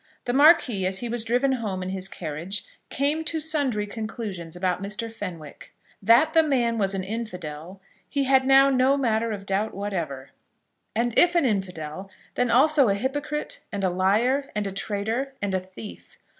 The Marquis, as he was driven home in his carriage, came to sundry conclusions about Mr. Fenwick. That the man was an infidel he had now no matter of doubt whatever; and if an infidel, then also a hypocrite, and a liar, and a traitor, and a thief.